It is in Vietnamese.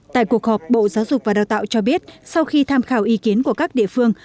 tại cuộc họp bộ giáo dục và đào tạo cho biết sau khi tham khảo ý kiến của các địa phương